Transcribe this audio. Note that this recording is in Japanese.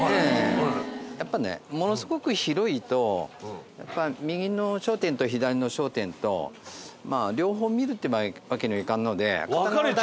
やっぱねものすごく広いと右の商店と左の商店と両方見るってわけにはいかんので片側だけになる。